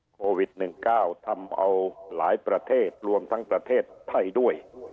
โควิด๑๙ทำเอาหลายประเทศรวมทั้งประเทศไทยด้วย